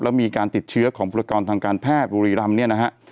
แล้วมีการติดเชื้อของอุปกรณ์ทางการแพทย์บุรีรำเนี่ยนะฮะ